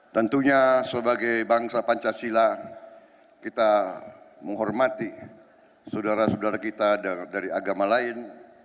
tentunya sebagai bangsa pancasila kita menghormati saudara saudara kita dari agama lain